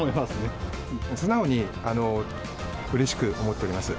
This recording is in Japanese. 素直にうれしく思っております。